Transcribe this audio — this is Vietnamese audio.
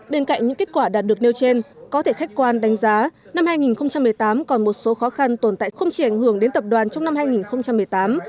bên cạnh những kết quả đạt được nêu trên có thể khách quan đánh giá năm hai nghìn một mươi tám còn một số khó khăn tồn tại không chỉ ảnh hưởng đến tập đoàn trong năm hai nghìn một mươi tám